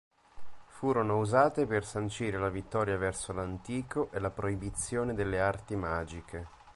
Furono usate per sancire la vittoria verso l'Antico e la proibizione delle arti magiche.